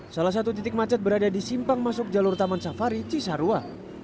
salah satu titik macet berada di simpang masuk jalur taman safari cisarua